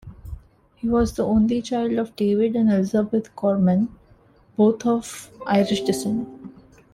He was the only child of David and Elizabeth Gorman, both of Irish descent.